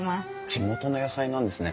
地元の野菜なんですね。